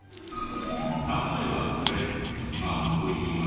例えばこれなんと言いますか？